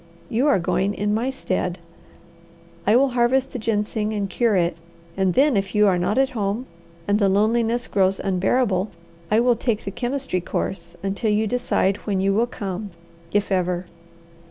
You are going in my stead. I will harvest the ginseng and cure it, and then, if you are not at home, and the loneliness grows unbearable, I will take the chemistry course, until you decide when you will come, if ever."